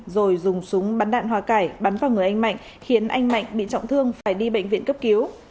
rồi dùng súng bắn đạn hòa cải bắn vào người anh mạnh khiến anh mạnh bị trọng thương phải đi bệnh viện cấp cứu